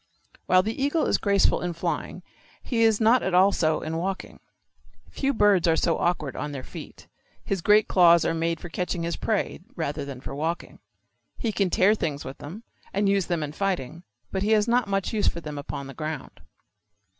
While the eagle is graceful in flying he is not at all so in walking. Few birds are so awkward on their feet. His great claws are made for catching his prey rather than for walking. He can tear things with them and use them in fighting, but he has not much use for them upon the ground.